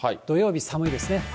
土曜日、寒いですね。